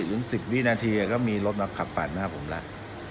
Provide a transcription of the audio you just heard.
ถึง๑๐วินาทีก็มีรถมาขับปาดหน้าผมแล้ว